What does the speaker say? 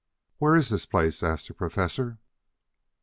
"Where is this place?" asked the Professor.